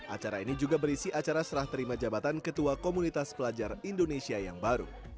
acara ini juga berisi acara serah terima jabatan ketua komunitas pelajar indonesia yang baru